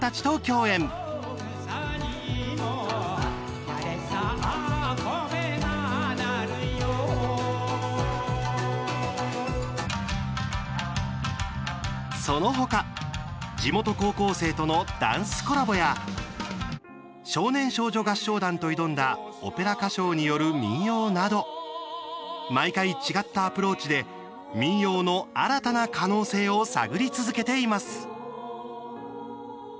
「相馬盆唄」その他、地元高校生とのダンスコラボや少年少女合唱団と挑んだオペラ歌唱による民謡など毎回違ったアプローチで民謡の新たな可能性を探り続けています。